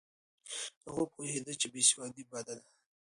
هغه پوهېده چې بې سوادي بده ده.